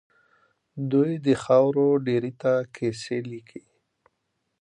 دوی د خاورو ډېري ته کيسې ليکي.